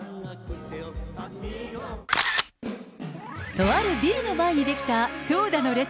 とあるビルの前に出来た長蛇の列。